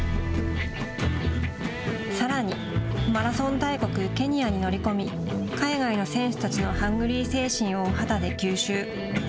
さらにマラソン大国ケニアに乗り込み海外の選手たちのハングリー精神を肌で吸収。